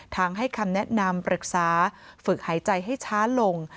ให้คำแนะนำปรึกษาฝึกหายใจให้ช้าลง